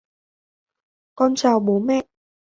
con chào bố mẹ